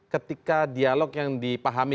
ketika dialog yang dipahami